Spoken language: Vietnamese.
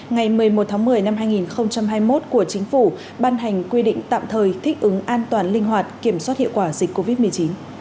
ngày một mươi một tháng một mươi năm hai nghìn hai mươi một của chính phủ ban hành quy định tạm thời thích ứng an toàn linh hoạt kiểm soát hiệu quả dịch covid một mươi chín